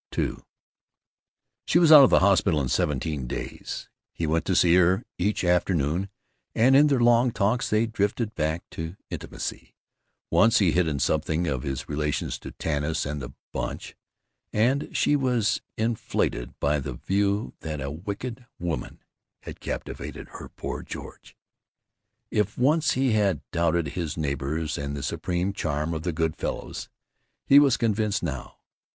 II She was out of the hospital in seventeen days. He went to see her each afternoon, and in their long talks they drifted back to intimacy. Once he hinted something of his relations to Tanis and the Bunch, and she was inflated by the view that a Wicked Woman had captivated her poor George. If once he had doubted his neighbors and the supreme charm of the Good Fellows, he was convinced now.